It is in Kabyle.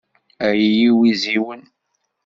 Ay iwiziwen.